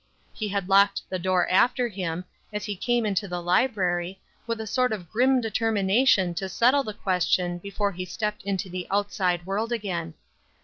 He had locked the door after him, as he came into the library, with a sort of grim determination to settle the question before he stepped into the outside world again.